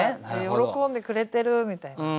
喜んでくれてる！みたいな。